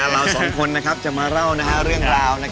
เราสองคนจะมาเล่าเรื่องราว